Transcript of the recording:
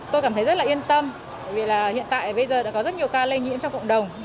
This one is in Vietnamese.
tôi cảm thấy rất là yên tâm vì là hiện tại bây giờ đã có rất nhiều ca lây nhiễm trong cộng đồng